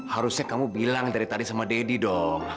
harusnya kamu bilang dari tadi sama deddy dong